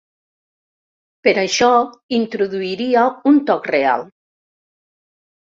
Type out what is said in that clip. Per això introduiria un toc real.